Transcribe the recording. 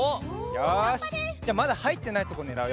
よしじゃあまだはいってないとこねらうよ。